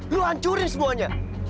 lu hancurin semuanya